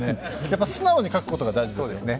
やっぱり素直に書くことが大事ですね。